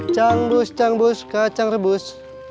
cang bus cang bus kacang rebus